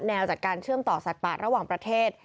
จากการเชื่อมต่อสัตว์ป่าระหว่างประเทศ